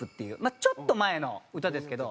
あちょっと前の歌ですけど。